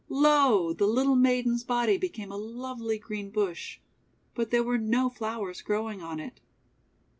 Lo! the little maiden's body became a lovely green bush; but there were no flowers growing on it.